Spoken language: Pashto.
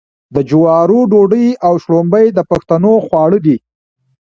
د جوارو ډوډۍ او شړومبې د پښتنو خواړه دي.